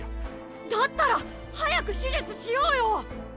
だったら早く手術しようよ。